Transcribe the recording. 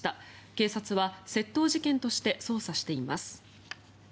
警察は窃盗事件として捜査しています。